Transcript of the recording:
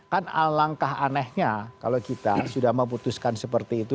kan alangkah anehnya kalau kita sudah memutuskan seperti itu